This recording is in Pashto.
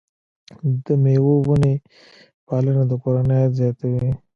د مېوو ونې پالنه د کورنۍ عاید زیاتوي.